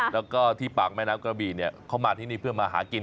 แล้วก็ที่ปากแม่น้ำกระบี่เนี่ยเขามาที่นี่เพื่อมาหากิน